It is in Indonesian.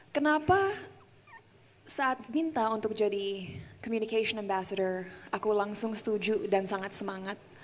kenapa saat minta untuk jadi communication and basher aku langsung setuju dan sangat semangat